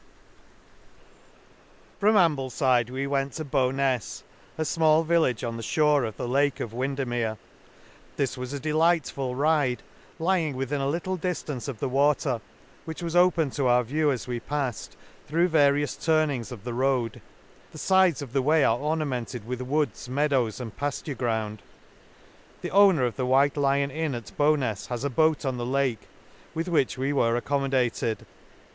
6 An Excursion /# From Amblefide we went to Bownas, a fmall village on the fhore of the Lake of Windermere j this was a delightful ride, lying within a little diflance of the water, which was opened to our view as we paft through various turnings of the road ;*— the fides of the way are orna mented with woods, meadows, and pa£« Sure ground* — The owner of the White Lion Inn, at Bownas, has a boat on the Lake, with which we were accommodated.